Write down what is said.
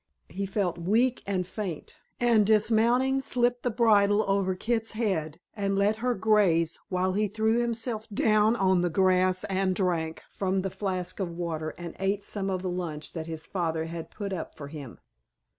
He felt weak and faint, and dismounting slipped the bridle over Kit's head and let her graze while he threw himself down on the grass and drank from the flask of water and ate some of the lunch that his father had put up for him.